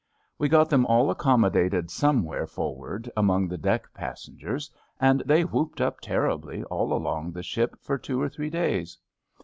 We got them all accommodated somewhere forward among the deck passengers, and they whooped up terribly all along the ship for two or three days.